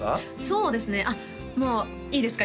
そうですねあっいいですか？